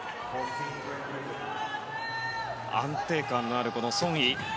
安定感のあるソン・イ。